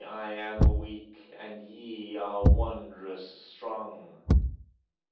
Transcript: I am weak, And ye are wondrous strong!"